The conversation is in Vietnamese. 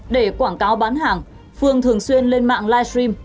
để quảng cáo bán hàng phương thường xuyên lên mạng live stream